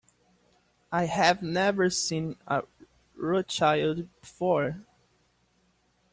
I have never seen a Rothschild before.